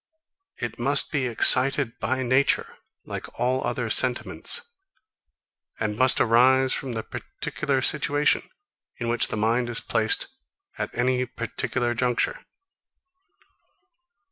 It must be excited by nature, like all other sentiments; and must arise from the particular situation, in which the mind is placed at any particular juncture.